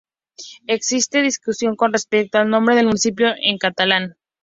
Existe discusión con respecto al nombre del municipio en catalán.